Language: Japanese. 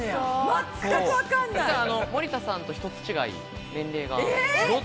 実は森田さんと１つ違い、年齢が。